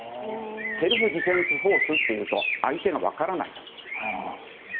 セルフディフェンスフォースというと相手が分からないと。